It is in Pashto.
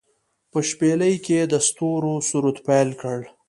په شپیلۍ کې يې د ستورو سرود پیل کړ